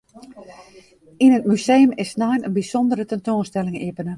Yn it museum is snein in bysûndere tentoanstelling iepene.